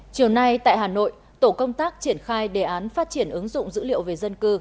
chiều nay tại hà nội tổ công tác triển khai đề án phát triển ứng dụng dữ liệu về dân cư